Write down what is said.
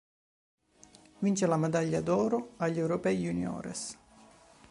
Vince la Medaglia d’Oro agli Europei Juniores.